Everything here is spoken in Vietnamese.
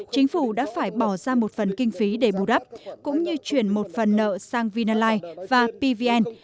chính phủ đã phải bỏ ra một phần kinh phí để bù đắp cũng như chuyển một phần nợ sang vinalize và pvn